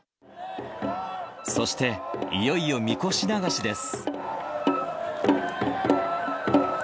そして、いよいよみこし流しです。